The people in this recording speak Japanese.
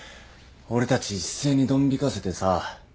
俺たち一斉にどん引かせてさ。